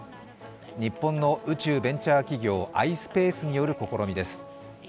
日本の宇宙ベンチャー企業ｉｓｐａｃｅによる試みです。